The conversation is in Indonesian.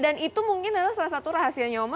dan itu mungkin adalah salah satu rahasianya oma